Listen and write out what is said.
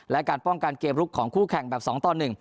และการป้องกันเกมลุกของคู่แข่งแบบ๒ต่อ๑